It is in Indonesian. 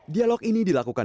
dialog ini dilakukan